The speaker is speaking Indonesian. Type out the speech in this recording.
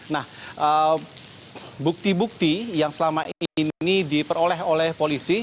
nah bukti bukti yang selama ini diperoleh oleh polisi